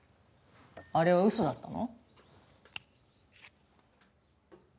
あれは嘘だったの？